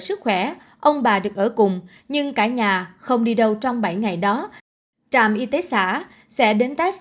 sức khỏe ông bà được ở cùng nhưng cả nhà không đi đâu trong bảy ngày đó trạm y tế xã sẽ đến tax